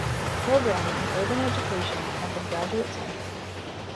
Program in Urban Education at The Graduate Center.